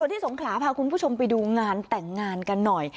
ที่สงขลาพาคุณผู้ชมไปดูงานแต่งงานกันหน่อย